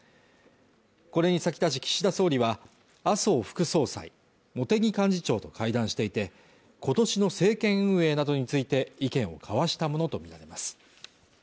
これに先立ち岸田総理は麻生副総裁茂木幹事長と会談していて今年の政権運営などについて意見を交わしたものと見られます